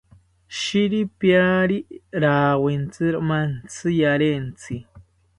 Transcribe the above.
Shiripiari rawintziro mantziarentsi